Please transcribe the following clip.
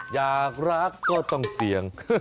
อยากรักก็ต้องเสี่ยง